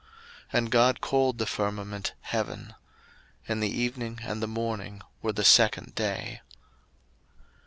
01:001:008 And God called the firmament Heaven. And the evening and the morning were the second day.